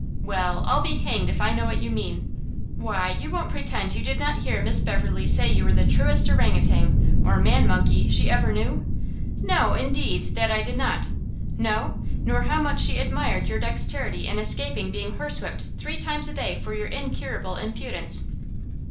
"Well, I'll be hanged if I know what you mean!" "Why you won't pretend you did not hear Miss Beverley say you were the truest Ouran Outang, or man monkey, she ever knew?" "No, indeed, that I did not! "No? Nor how much she admired your dexterity in escaping being horse whipt three times a day for your incurable impudence?"